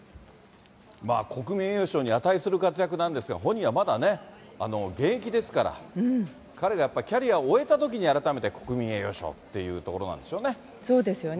国民栄誉賞に値する活躍なんですが、本人はまだね、現役ですから、彼がやっぱりキャリアを終えたときに、改めて国民栄誉賞っていうそうですよね。